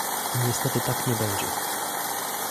Niestety tak nie będzie